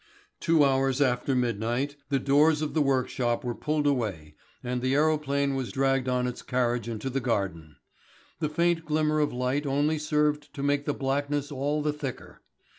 Two hours after midnight the doors of the workshop were pulled away and the aerophane was dragged on its carriage into the garden. The faint glimmer of light only served to make the blackness all the thicker.